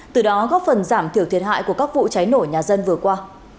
từ đó góp phần giảm thiểu thiệt hại của các vụ cháy nổ nhà dân vừa qua